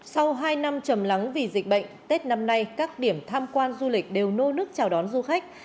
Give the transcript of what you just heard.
sau hai năm chầm lắng vì dịch bệnh tết năm nay các điểm tham quan du lịch đều nô nức chào đón du khách